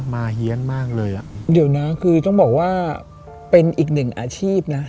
เฮียนมากเลยอ่ะเดี๋ยวนะคือต้องบอกว่าเป็นอีกหนึ่งอาชีพนะ